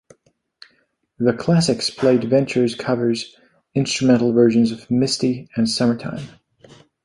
The Classics played Ventures covers, instrumental versions of "Misty" and "Summertime".